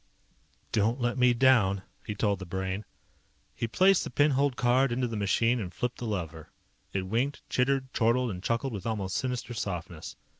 "Don't let me down," he told the Brain. He placed the pin holed card into the machine and flipped the lever. It winked, chittered, chortled, and chuckled with almost sinister softness.